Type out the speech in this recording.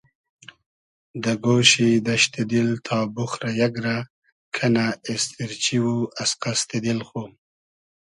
دۂ گۉشی دئشتی دیل تا بوخرۂ یئگ رۂ کئنۂ اېستیرچی او از قئستی دیل خو